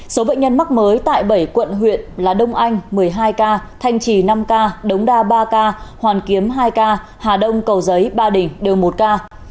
số bệnh nhân mắc mới tại bảy quận huyện là đông anh một mươi hai ca thanh trì năm ca đống đa ba ca hoàn kiếm hai ca hà đông cầu giấy ba đình đều một ca